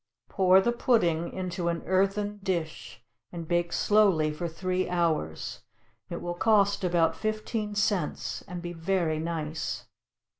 Pour the pudding into an earthen dish, and bake slowly for three hours. It will cost about fifteen cents, and be very nice.